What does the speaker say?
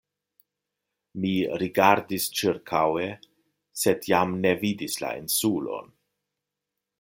Mi rigardis ĉirkaŭe, sed jam ne vidis la Insulon.